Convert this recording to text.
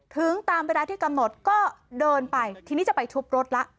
ถึงตามเวลาที่กำหนดก็เดินไปทีนี้จะไปทุบรถละ